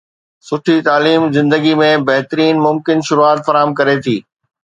سٺي تعليم زندگي ۾ بهترين ممڪن شروعات فراهم ڪري ٿي